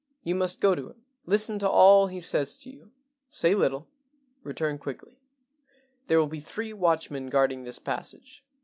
You must go to him. Listen to all he says to you. Say little. Return quickly. There will be three watchmen guarding this passage.